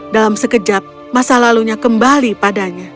dalam sekejap masa lalunya kembali padanya